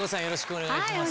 お願いいたします。